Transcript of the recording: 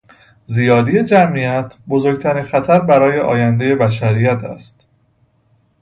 زیادی جمعیت بزرگترین خطر برای آیندهی بشریت است.